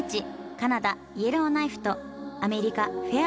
カナダ・イエローナイフとアメリカ・フェア